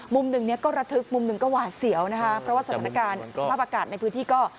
มุมหนึ่งเนี่ยก็ระทึกมุมหนึ่งก็หวาดเสียวนะคะเพราะว่าสถานการณ์สภาพอากาศในพื้นที่ก็